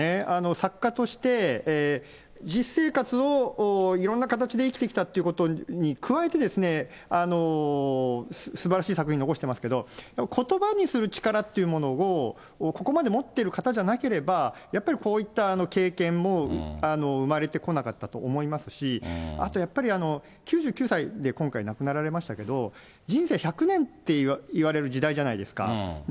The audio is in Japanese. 作家として実生活をいろんな形で生きてきたっていうことに加えてですね、すばらしい作品残してますけど、ことばにする力っていうものを、ここまで持ってる方じゃなければ、やっぱりこういった経験も生まれてこなかったと思いますし、あとやっぱり、９９歳で今回亡くなられましたけど、人生１００年っていわれる時代じゃないですか。